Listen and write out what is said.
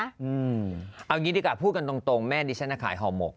เอาอย่างนี้ดีกว่าพูดกันตรงแม่ดิฉันขายห่อหมก